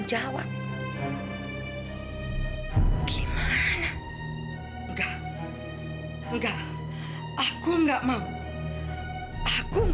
jadi jangan harap mama mau ke bandung